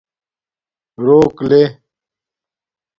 روک لے